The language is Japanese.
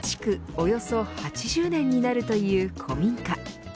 およそ８０年になるという古民家。